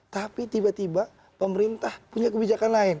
tapi tiba tiba pemerintah punya kebijakan lain